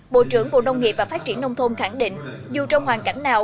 bộ trưởng bộ nông nghiệp và phát triển nông thôn khẳng định dù trong hoàn cảnh nào